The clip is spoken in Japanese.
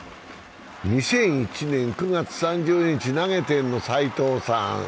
２００１年９月３０日、投げてるの斎藤さん。